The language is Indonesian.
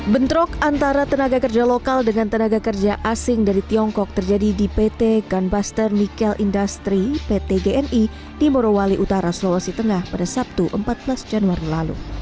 bentrok antara tenaga kerja lokal dengan tenaga kerja asing dari tiongkok terjadi di pt gunbuster nikel industry pt gni di morowali utara sulawesi tengah pada sabtu empat belas januari lalu